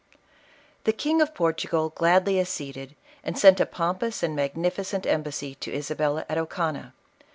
The King of Portugal gladly acceded, and sent a pompous and magnificent embassy to Isabella at Ocana.